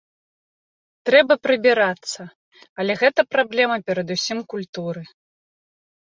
Трэба прыбірацца, але гэта праблема перадусім культуры.